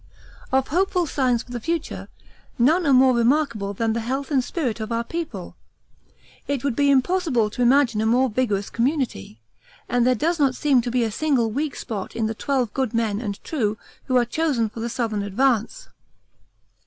Of hopeful signs for the future none are more remarkable than the health and spirit of our people. It would be impossible to imagine a more vigorous community, and there does not seem to be a single weak spot in the twelve good men and true who are chosen for the Southern advance.